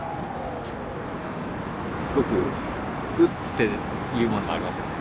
すごくウッていうもんがありますよね。